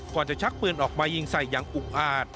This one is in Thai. จะชักปืนออกมายิงใส่อย่างอุกอาจ